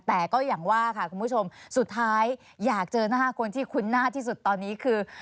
แต่ก็อย่างว่าค่ะคุณผู้ชมสุดท้ายอยากเจอหน้าคนที่คุ้นหน้าที่สุดตอนนี้คือ